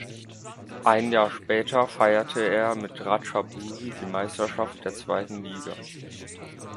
Ein Jahr später feierte er mit Ratchaburi die Meisterschaft der zweiten Liga.